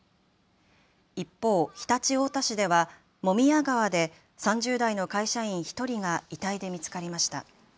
一方、常陸太田市では茂宮川で３０代の会社員１人が遺体で見つかりました。